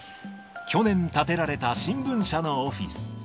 去年建てられた新聞社のオフィス。